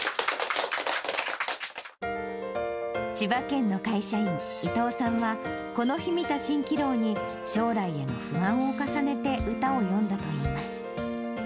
千葉県の会社員、伊藤さんは、この日見た蜃気楼に将来への不安を重ねて歌を詠んだといいます。